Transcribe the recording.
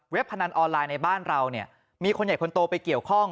พนันออนไลน์ในบ้านเราเนี่ยมีคนใหญ่คนโตไปเกี่ยวข้อง